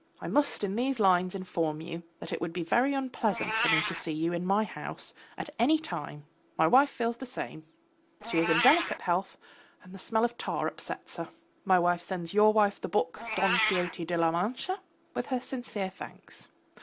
I must in these lines inform you that it would be very unpleasant for me to see you in my house at any time; my wife feels the same: she is in delicate health and the smell of tar upsets her. My wife sends your wife the book, Don Quixote de la Mancha, with her sincere thanks.